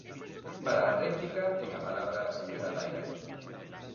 Para a réplica, ten a palabra a señora Daira.